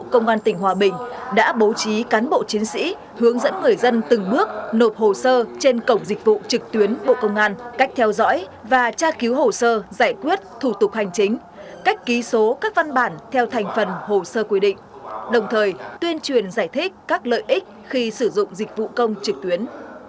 công an tỉnh hòa bình đã bố trí cán bộ chiến sĩ hướng dẫn người dân từng bước nộp hồ sơ trên cổng dịch vụ trực tuyến bộ công an cách theo dõi và tra cứu hồ sơ giải quyết thủ tục hành chính cách ký số các văn bản theo thành phần hồ sơ quy định đồng thời tuyên truyền giải thích các lợi ích khi sử dụng dịch vụ công trực tuyến